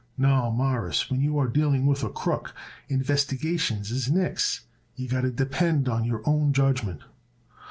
No, Mawruss, when you are dealing with a crook, investigations is nix. You got to depend on your own judgment."